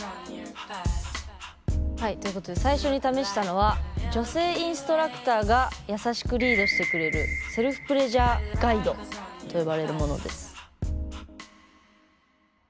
はいということで最初に試したのは女性インストラクターが優しくリードしてくれるセルフプレジャーガイドと呼ばれるものです。